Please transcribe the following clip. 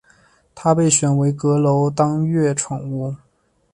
他被选为阁楼当月宠物。